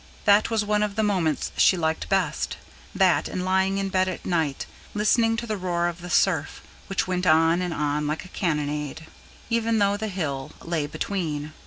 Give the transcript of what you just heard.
That was one of the moments she liked best, that, and lying in bed at night listening to the roar of the surf, which went on and on like a cannonade, even though the hill lay between.